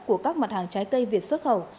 của các mặt hàng trái cây việt xuất khẩu